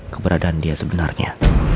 keberadaan dia sebenarnya